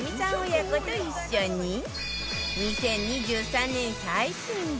親子と一緒に２０２３年最新版